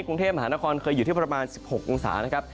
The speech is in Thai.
กรุงเทพมหานครเคยอยู่ที่ประมาณ๑๖องศานะครับ